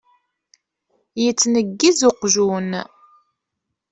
Yettneggiz uqjun.